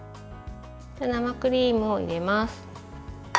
生クリームを入れます。